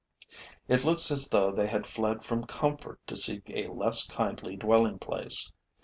It looks as though they had fled from comfort to seek a less kindly dwelling place.